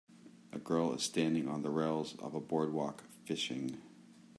A girl is standing on the rails of a boardwalk, fishing.